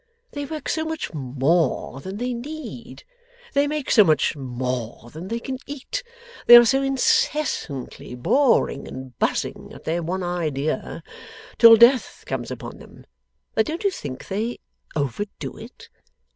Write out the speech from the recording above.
They work so much more than they need they make so much more than they can eat they are so incessantly boring and buzzing at their one idea till Death comes upon them that don't you think they overdo it?